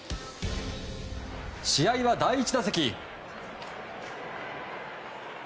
試合は第１打席。